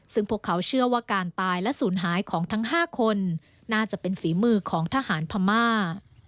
ซึ่งพวกเขาเชื่อว่าการตายและศูนย์หายของทั้ง๕คนน่าจะเป็นฝีมือของทหารพม่า